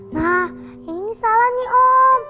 nah yang ini salah nih om